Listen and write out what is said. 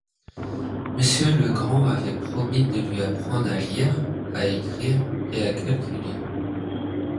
Monsieur Legrand avait promis de lui apprendre à lire, à écrire et à calculer.